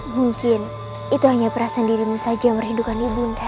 mungkin itu hanya perasaan dirimu saja yang merindukan ibunda